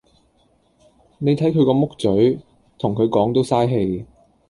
你睇佢個木嘴，同佢講都曬氣